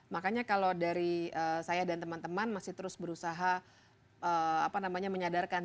makanya kalau dari saya dan teman teman masih terus berusaha menyadarkan